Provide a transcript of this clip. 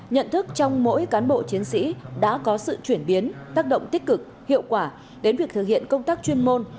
nhận thức trong mỗi cán bộ chiến sĩ đã có sự chuyển biến tác động tích cực hiệu quả đến việc thực hiện công tác chuyên môn